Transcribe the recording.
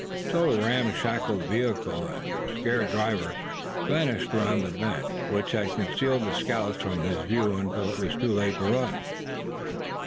So ramshackle vehicle and scared driver vanished around the bend which had concealed the scouts from his view until it was too late to run.